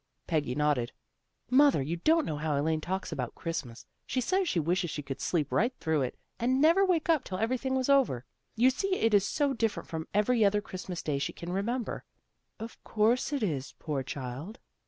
Peggy nodded. " Mother, you don't know how Elaine talks about Christmas, fene says she wishes she could sleep right through it, and never wake up till everything was over. You see it is so different from every other Christmas Day she can remember." " Of course it is, poor child."